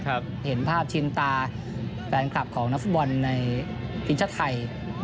ครับเห็นภาพชินตาแฟนคลับของนักฟุบอลในวิทยาลัยไทย